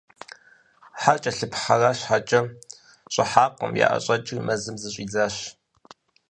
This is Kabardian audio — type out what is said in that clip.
Хьэр кӏэлъыпхъэра щхьэкӏэ, щӏыхьакъым - яӏэщӏэкӏри, мэзым зыщӏидзащ.